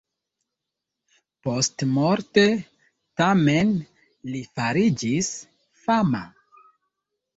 Postmorte, tamen, li fariĝis fama.